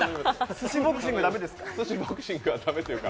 すしボクシング駄目ですか？